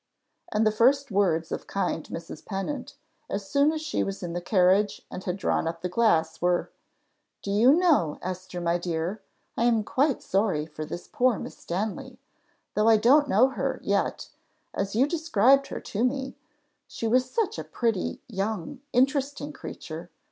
And the first words of kind Mrs. Pennant, as soon as she was in the carriage and had drawn up the glass, were, "Do you know, Esther, my dear, I am quite sorry for this poor Miss Stanley. Though I don't know her, yet, as you described her to me, she was such a pretty, young, interesting creature!